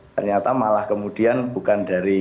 ternyata malah kemudian bukan dari